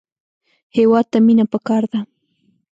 هېواد ته مینه پکار ده